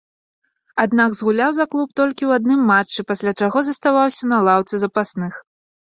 Аднак, згуляў за клуб толькі ў адным матчы, пасля чаго заставаўся на лаўцы запасных.